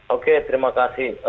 oke terima kasih